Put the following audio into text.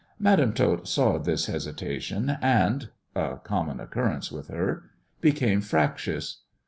Madam Tot saw this hesitation, and, a common occurrence with her, became fractious.